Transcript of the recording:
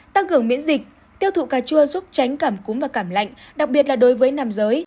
tăng cường miễn dịch tiêu thụ cà chua giúp tránh cảm cúm và cảm lạnh đặc biệt là đối với nam giới